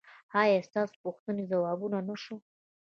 ایا ستاسو پوښتنې ځواب نه شوې؟